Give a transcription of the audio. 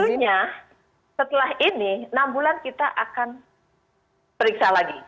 tentunya setelah ini enam bulan kita akan periksa lagi